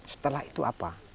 setelah itu apa